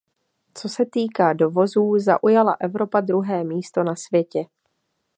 Co se týká dovozů, zaujala Evropa druhé místo na světě.